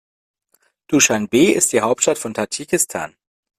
Duschanbe ist die Hauptstadt von Tadschikistan.